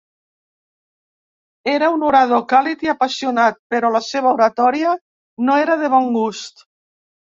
Era un orador càlid i apassionat, però la seva oratòria no era de bon gust.